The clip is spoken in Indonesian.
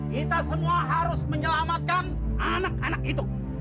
kita semua harus menyelamatkan anak anak itu